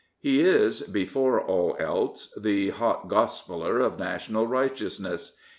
He is, before all else, the hot gospeller of national righteousness.